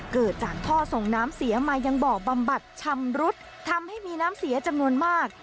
เกิดจากท่อส่งน้ำเสียมายังบ่อบำบัดชำรุดทำให้มีน้ำเสียจำนวนมาก